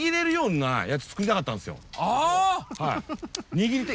握り手。